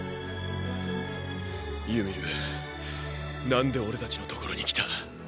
ユミル何で俺たちの所に来た？